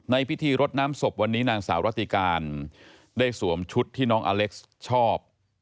พิธีรดน้ำศพวันนี้นางสาวรัติการได้สวมชุดที่น้องอเล็กซ์ชอบ